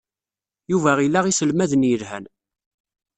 Yuba ila iselmaden yelhan.